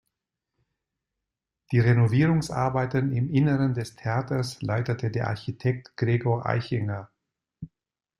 Die Renovierungsarbeiten im Inneren des Theaters leitete der Architekt Gregor Eichinger.